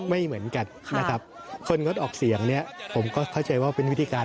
ไม่เหมือนกันคนงดออกเสียงผมก็เข้าใจว่าเป็นวิธีการ